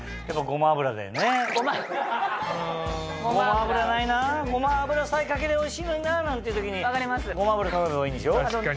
ごま油さえかけりゃおいしいのにな！なんていう時にごま油頼めばいいんでしょ？